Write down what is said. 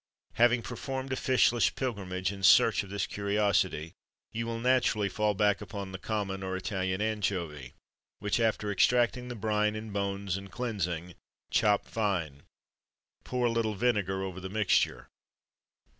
Having performed a fishless pilgrimage in search of this curiosity, you will naturally fall back upon the common or Italian anchovy, which, after extracting the brine and bones, and cleansing, chop fine. Pour a little vinegar over the mixture.